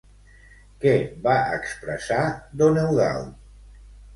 Què va expressar don Eudald?